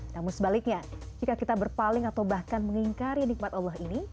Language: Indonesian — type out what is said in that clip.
namun sebaliknya jika kita berpaling atau bahkan mengingkari nikmat allah ini